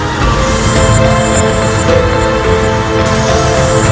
sesebuang versi everytime